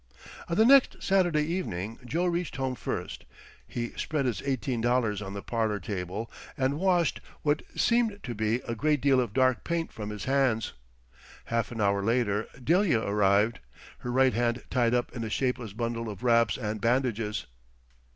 On the next Saturday evening Joe reached home first. He spread his $18 on the parlour table and washed what seemed to be a great deal of dark paint from his hands. Half an hour later Delia arrived, her right hand tied up in a shapeless bundle of wraps and bandages.